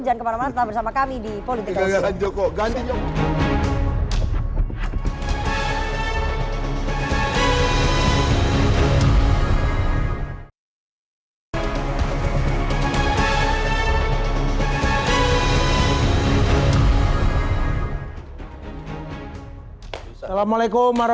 jangan kemana mana tetap bersama kami di politik dosis